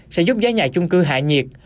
sẽ giúp giá nhà chung cư hạ nhiệt